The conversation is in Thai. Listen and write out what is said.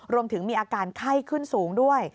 รวมถึงมีอาการไข้ขึ้นสูงด้วย